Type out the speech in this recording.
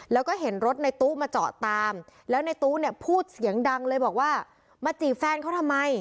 แล้วก็เห็นรถในตู้มาเจาะตามแล้วในตู้เนี่ยพูดเสียงดังเลยบอกว่ามาจีบแฟนเขาทำไม